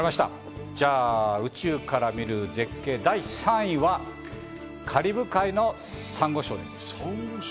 じゃあ、宇宙から見る絶景、第３位はカリブ海のサンゴ礁です。